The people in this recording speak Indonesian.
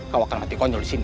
kau akan mati konyol di sini